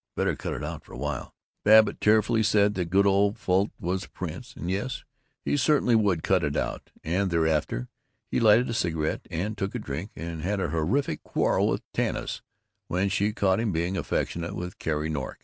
Better cut it out for a while." Babbitt tearfully said that good old Fult was a prince, and yes, he certainly would cut it out, and thereafter he lighted a cigarette and took a drink and had a terrific quarrel with Tanis when she caught him being affectionate with Carrie Nork.